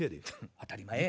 当たり前や。